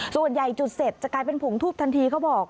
ส่วนใหญ่จุดเสร็จจะกลายเป็นผงทูบทันทีเขาบอก